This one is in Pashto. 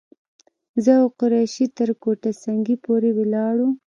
زه او قریشي تر کوټه سنګي پورې ولاړو.